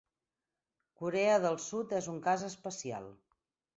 Corea del Sud és un cas especial.